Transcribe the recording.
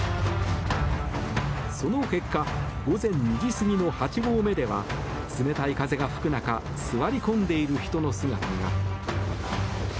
その結果午前２時過ぎの８合目では冷たい風が吹く中座り込んでいる人の姿が。